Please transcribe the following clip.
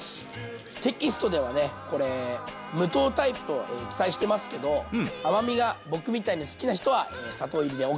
テキストではねこれ無糖タイプと記載してますけど甘みが僕みたいに好きな人は砂糖入りでＯＫ！